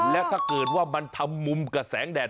แล้วถ้าเกิดว่ามันทำมุมกับแสงแดด